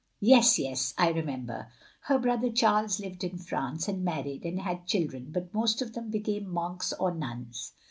"Yes, yes, I remember." "Her brother Charles lived in France, and married, and had children, but most of them became monks or nuns.